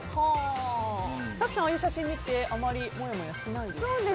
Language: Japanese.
早紀さんはああいう写真見てあまりもやもやしないですか？